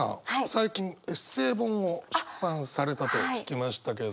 最近エッセイ本を出版されたと聞きましたけど。